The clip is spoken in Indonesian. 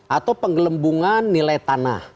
atau penggelembungan nilai tanah